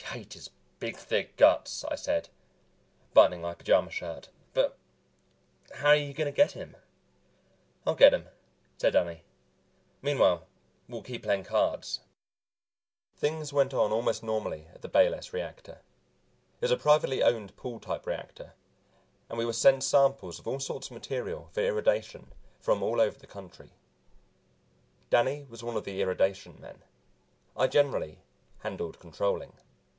"I hate his big thick guts," I said, buttoning my pajama shirt, "but how are you going to get him?" "I'll get him," said Danny. "Meanwhile, we'll keep playing cards." Things went on almost normally at the Bayless reactor. It was a privately owned pool type reactor, and we were sent samples of all sorts of material for irradiation from all over the country. Danny was one of the irradiation men; I generally handled controlling.